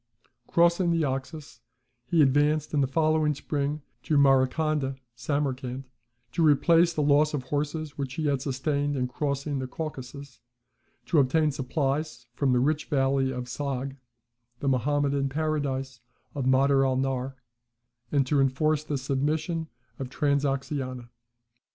Crossing the Oxus, he advanced in the following spring to Marakanda (Samarcand) to replace the loss of horses which he had sustained in crossing the Caucasus, to obtain supplies from the rich valley of Sogd (the Mahometan Paradise of Mader al Nahr), and to enforce the submission of Transoxiana.